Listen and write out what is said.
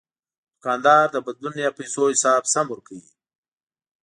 دوکاندار د بدلون یا پیسو حساب سم ورکوي.